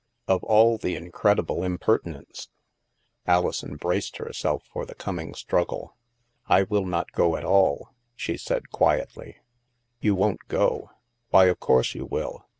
Of all the incredible impertinence ! Alison braced herself for the coming struggle. " I will not go at all," she said quietly. "You won't go? Why, of course you will.